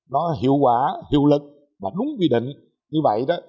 nó hiệu quả hiệu lực và đúng quy định như vậy đó